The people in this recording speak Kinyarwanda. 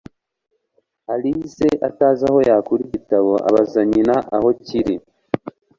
alice, atazi aho yakura igitabo, abaza nyina aho kiri